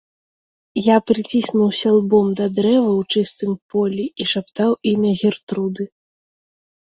Я прыцiснуўся лбом да дрэва ў чыстым полi i шаптаў iмя Гертруды.